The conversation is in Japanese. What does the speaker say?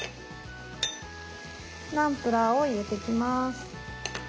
ナムプラーを入れていきます。